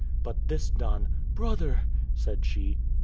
But this done: "Brother!" said she.